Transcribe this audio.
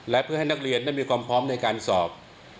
และเพื่อให้นักเรียนนั้นมีความพร้อมในการสอบ